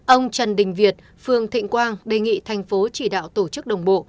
ông trần đình việt phường thịnh quang đề nghị thành phố chỉ đạo tổ chức đồng bộ